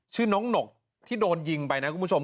ชื่อน้องหนกที่โดนยิงไปนะคุณผู้ชม